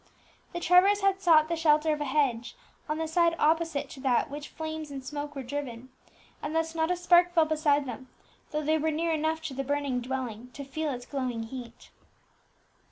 The Trevors had sought the shelter of a hedge, on the side opposite to that to which flames and smoke were driven; and thus not a spark fell beside them, though they were near enough to the burning dwelling to feel its glowing heat.